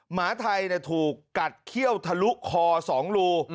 หมาไทยถูกกัดเขี้ยวทะลุคอ๒รู